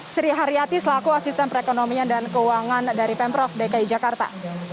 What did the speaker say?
sri haryati selaku asisten perekonomian dan keuangan dari pemprov dki jakarta